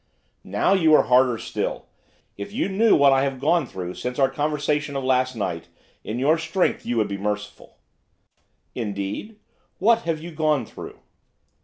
'Now you are harder still. If you knew what I have gone through since our conversation of last night, in your strength you would be merciful.' 'Indeed? What have you gone through?